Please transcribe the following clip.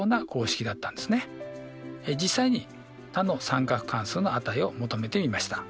実際に他の三角関数の値を求めてみました。